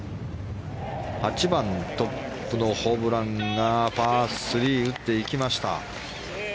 ８番、トップのホブランがパー３を打っていきました。